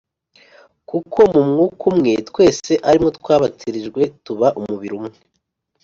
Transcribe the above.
kuko mu Mwuka umwe twese ari mwo twabatirijwe kuba umubiri umwe,